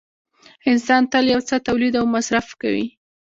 انسان تل یو څه تولید او مصرف کوي